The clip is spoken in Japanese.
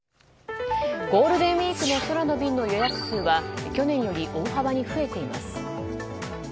ゴールデンウィークの空の便の予約数は去年より大幅に増えています。